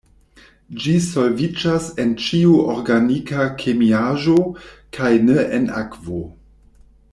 Ĝi solviĝas en ĉiu organika kemiaĵo kaj ne en akvo.